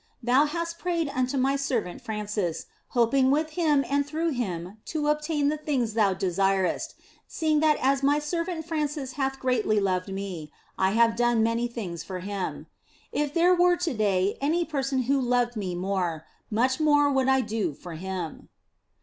Thou hast prayed unto My servant Francis, hoping with him and through him to obtain the things thou desirest, seeing that as my servant Francis hath greatly loved Me, I have done many things for him. If there were to day any person who loved Me more, much more would I do for him."